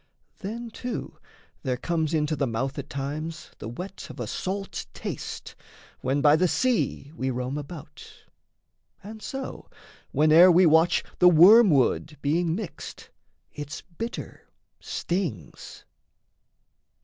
Then too there comes into the mouth at times The wet of a salt taste, when by the sea We roam about; and so, whene'er we watch The wormword being mixed, its bitter stings.